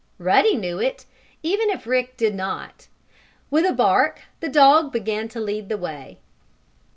Ruddy knew it, even if Rick did not. With a bark the dog began to lead the way.